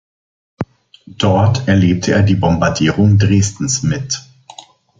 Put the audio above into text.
Dort erlebte er die Bombardierung Dresdens mit.